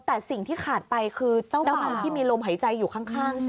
แต่สิ่งที่ขาดไปคือเจ้าเมาที่มีลมหายใจอยู่ข้างใช่ไหม